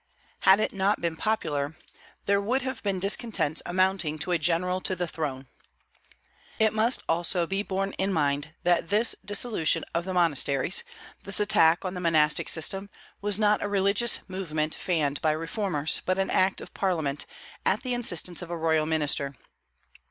Had it not been popular, there would have been discontents amounting to a general to the throne. It must also be borne in mind that this dissolution of the monasteries, this attack on the monastic system, was not a religious movement fanned by reformers, but an act of Parliament, at the instance of a royal minister.